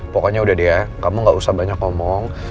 pokoknya udah deh ya kamu gak usah banyak ngomong